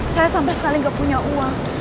saya sampai sekali nggak punya uang